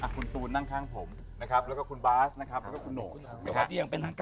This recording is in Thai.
คุณตูนนั่งข้างผมแล้วก็คุณบ๊าสแล้วก็คุณโหนก